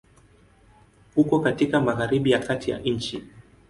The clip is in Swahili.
Uko katika Magharibi ya Kati ya nchi.